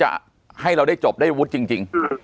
จะให้เราได้จบได้วุฒิจริง